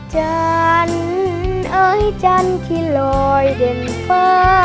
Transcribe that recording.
จันเอ้ยจันที่ลอยเด็นเฟ้อ